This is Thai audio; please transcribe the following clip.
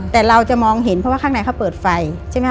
แต่เราจะมองเห็นเพราะว่าข้างในเขาเปิดไฟใช่ไหมค